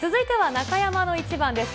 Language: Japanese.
続いては中山のイチバンです。